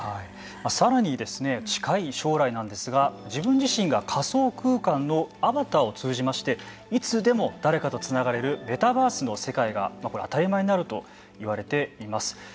さらに近い将来なんですが自分自身が仮想空間のアバターを通じましていつでも誰かとつながれるメタバースの世界が当たり前になるといわれています。